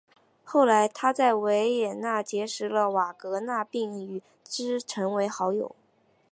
后来他在维也纳结识了瓦格纳并与之成为好友。